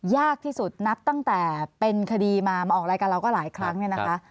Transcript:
ยากที่สุดนับตั้งแต่เป็นคดีมามาออกรายการเราก็หลายครั้งเนี่ยนะคะ